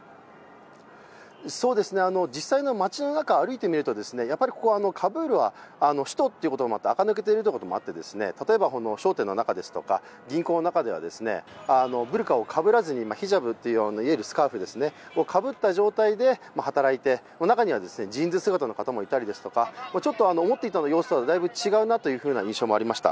実際の町の中を歩いてみると、カブールは首都ということもあってあか抜けているということもあって、例えば商店の中ですとか銀行の中ではブルカをかぶらずにヒジャブといういわゆるスカーフをかぶった状態で働いて、中にはジーンズ姿の人もいてちょっと、思っていた様子とはだいぶ違うなという印象はありました。